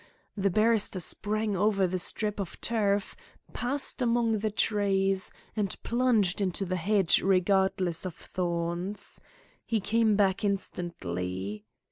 The barrister sprang over the strip of turf, passed among the trees, and plunged into the hedge regardless of thorns. He came back instantly.